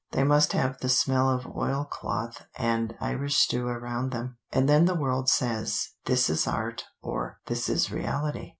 They must have the smell of oilcloth and Irish stew around them, and then the world says, 'This is art' or 'This is reality.'